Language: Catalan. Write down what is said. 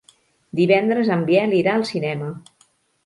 Divendres en Biel irà al cinema.